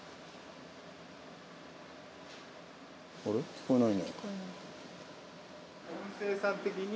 聞こえない。